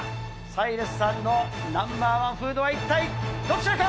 サイラスさんのナンバー１フードは一体どちらか。